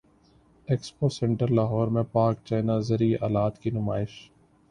expo centre Lahore میں Pak China زرعی الات کی نمائش